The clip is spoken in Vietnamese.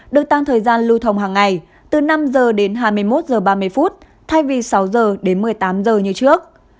được tăng thời gian lưu thông hàng ngày từ năm h đến hai mươi một h ba mươi phút thay vì sáu h đến một mươi tám h như trước